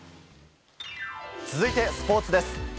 続いてスポーツです。